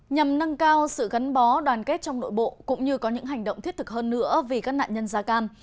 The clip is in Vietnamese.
nhằm nâng cao sự gắn bó đoàn kết trong nội bộ cũng như có những hành động thiết thực hơn nữa vì các nạn nhân da cam